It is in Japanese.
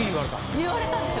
言われたんですよ。